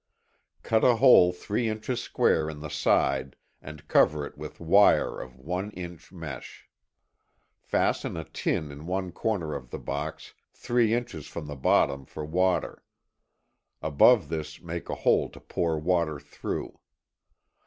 Cut a hole three inches square in the side and cover it with wire of one inch mesh. Fasten a tin in one corner of the box three inches from the bottom for water. Above this make a hole to pour water through.